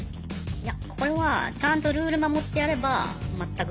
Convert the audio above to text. いやこれはちゃんとルール守ってやれば全く問題ないです。